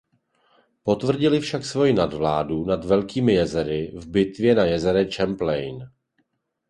Potvrdili však svoji nadvládu nad Velkými jezery v bitvě na jezeře Champlain.